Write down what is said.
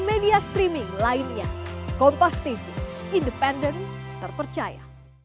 media streaming lainnya kompas tv independen terpercaya